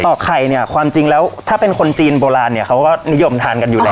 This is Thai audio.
อกไข่เนี่ยความจริงแล้วถ้าเป็นคนจีนโบราณเนี่ยเขาก็นิยมทานกันอยู่แล้ว